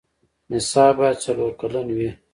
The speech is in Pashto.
نصاب باید څلور کلن وي.